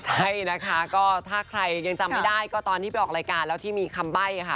ใช่นะคะก็ถ้าใครยังจำไม่ได้ก็ตอนที่ไปออกรายการแล้วที่มีคำใบ้ค่ะ